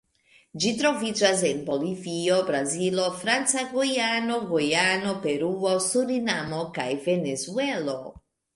Ĝi troviĝas en Bolivio, Brazilo, Franca Gujano, Gujano, Peruo, Surinamo kaj Venezuelo.